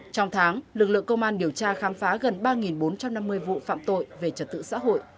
trong tháng lực lượng công an điều tra khám phá gần ba bốn trăm năm mươi vụ phạm tội về trật tự xã hội